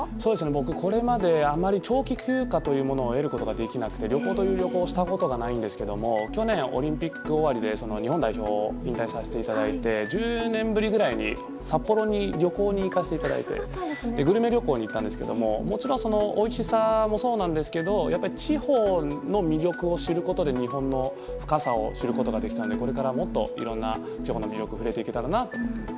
僕、これまで長期休暇というものを得ることができなくて旅行という旅行をしたことないんですけど去年、オリンピック終わりで日本代表を引退させていただいて１０年ぶりぐらいに札幌に旅行に行かせていただいてグルメ旅行に行ったんですけどももちろんおいしさもそうなんですけど地方の魅力を知ることで日本の深さを知ることができたのでこれからもっといろんな地方の魅力に触れていけたらなと。